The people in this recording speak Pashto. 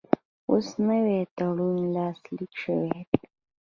اوس نوی تړون لاسلیک شوی دی.